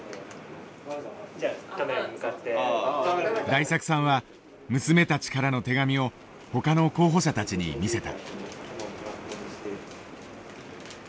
大作さんは娘たちからの手紙をほかの候補者たちに見せた。